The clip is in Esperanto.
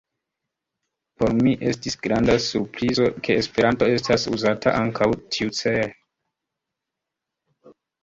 Por mi estis granda surprizo, ke Esperanto estas uzata ankaŭ tiucele.